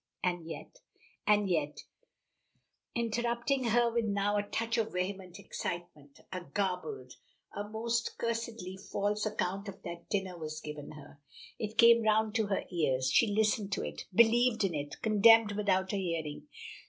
"And yet " "And yet," interrupting her with now a touch of vehement excitement, "a garbled, a most cursedly false account of that dinner was given her. It came round to her ears. She listened to it believed in it condemned without a hearing.